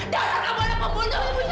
dasar kamu anak pembunuh